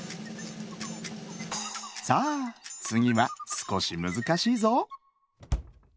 さあつぎはすこしむずかしいぞ。